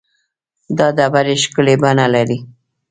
دا ډبرې ښکلې بڼه لري.